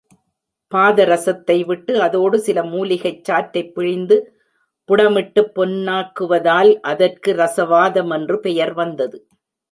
பாதரஸத்தை விட்டு, அதோடு சில மூலிகைச் சாற்றைப் பிழிந்து புடமிட்டுப் பொன்னாக்குவதால் அதற்கு ரஸவாதம் என்று பெயர் வந்தது.